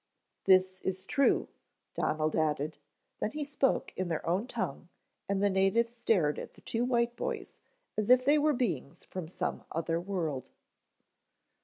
"This is true," Donald added; then he spoke in their own tongue and the natives stared at the two white boys as if they were beings from some other world.